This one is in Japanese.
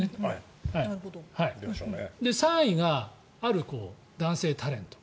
３位が、ある男性タレント。